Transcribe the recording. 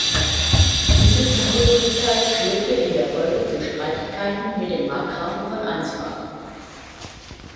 Diese Zugehörigkeit führte in der Folge zu Streitigkeiten mit dem Markgrafen von Ansbach.